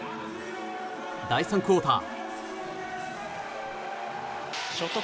第３クオーター。